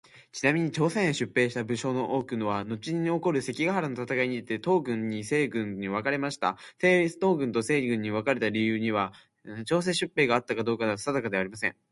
ちなみに、朝鮮へ出兵した武将の多くはのちに起こる関ヶ原の戦いにて東軍と西軍に分かれます。東軍と西軍に分かれた原因にが朝鮮出兵であったかどうかについては定かではありません。